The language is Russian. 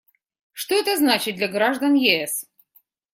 Что это значит для граждан ЕС?